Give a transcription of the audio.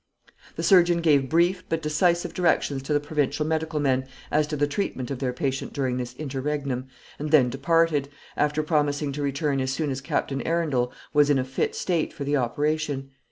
The surgeon gave brief but decisive directions to the provincial medical men as to the treatment of their patient during this interregnum, and then departed, after promising to return as soon as Captain Arundel was in a fit state for the operation.